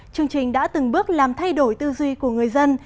chương trình đã từng bước làm thay đổi tư duy của người dân